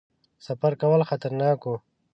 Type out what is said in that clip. سفر کول خطرناک وو.